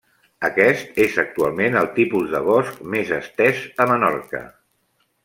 Aquest és actualment el tipus de bosc més estès a Menorca.